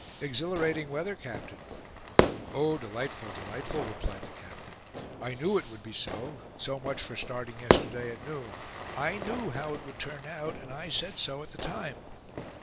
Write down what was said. "Exhilarating weather, captain!" "Oh, delightful, delightful!" replied the captain. "I knew it would be so; so much for starting yesterday at noon! I knew how it would turn out; and I said so at the time."